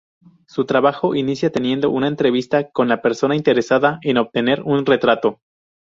Su trabajo inicia teniendo una entrevista con la persona interesada en obtener un retrato.